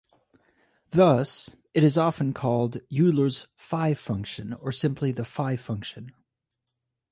Thus, it is often called Euler's phi function or simply the phi function.